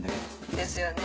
ですよね。